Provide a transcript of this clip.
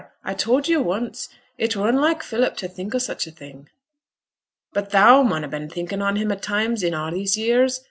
I've told yo' once. It were unlike Philip to think o' such a thing.' 'But thou mun ha' been thinkin' on him at times i' a' these years.